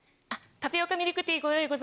タピオカミルクティーご用意ございません。